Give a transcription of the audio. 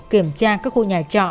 kiểm tra các khu nhà trọ